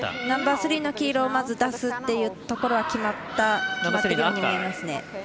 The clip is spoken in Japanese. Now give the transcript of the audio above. ナンバースリーの黄色をまず出すっていうところは決まったように見えますね。